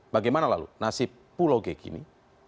bagaimana lalu nasib pulau g kini